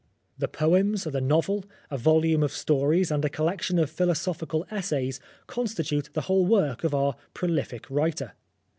The poems, the novel, a volume of stories, and a collection of philosophical essays constitute the whole work of our "prolific" writer.